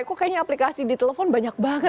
kok kayaknya aplikasi di telepon banyak banget